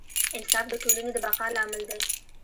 انصاف د ټولنې د بقا لامل دی.